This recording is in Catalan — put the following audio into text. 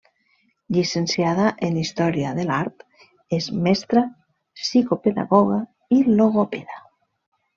Llicenciada en Història de l'art, és mestra, psicopedagoga i logopeda.